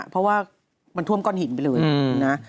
เพราะว่ามันท่วมก้อนหินไปเลยนะ